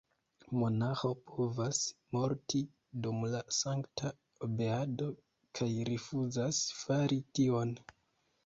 Monaĥo povas morti dum la sankta obeado kaj rifuzas fari tion!